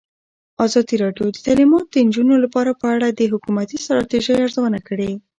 ازادي راډیو د تعلیمات د نجونو لپاره په اړه د حکومتي ستراتیژۍ ارزونه کړې.